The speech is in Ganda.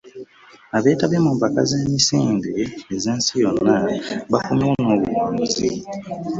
Abeetabye mu mpaka z'emisindi z'ensi yonna ,baakomye nabuwanguzi.